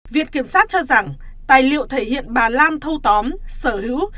việc kiểm soát cho rằng tài liệu thể hiện bà lan thâu tóm sở hữu